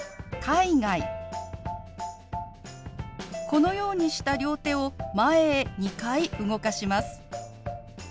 このようにした両手を前へ２回動かします。